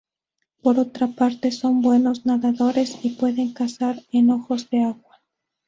Por otra parte, son buenos nadadores y pueden cazar en ojos de agua.